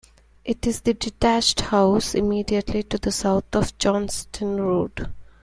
It is the detached house immediately to the south of Johnstone Road.